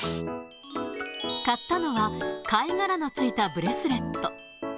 買ったのは、貝殻のついたブレスレット。